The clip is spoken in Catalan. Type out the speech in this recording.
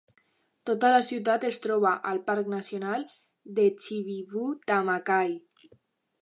Tota la ciutat es troba al Parc Nacional de Chichibu-Tama-Kai.